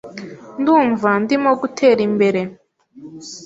Ndumva ndimo gutera imbere.